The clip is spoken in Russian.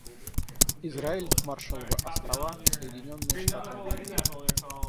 Израиль, Маршалловы Острова, Соединенные Штаты Америки.